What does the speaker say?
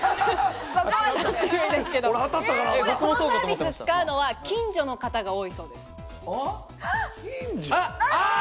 このサービスを使うのは近所の方が多いそうです。